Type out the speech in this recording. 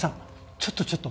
ちょっとちょっと。